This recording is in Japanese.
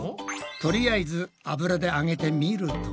とりあえず油で揚げてみると。